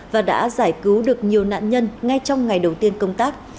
và đã giải cứu được nhiều nạn nhân ngay trong ngày đầu tiên công tác